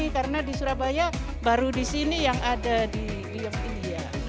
karena di surabaya baru disini yang ada di kliop ini ya